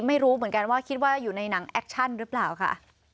ไม่รู้เหมือนกันว่าคิดว่าอยู่ในหนังแอคชั่นหรือเปล่าค่ะ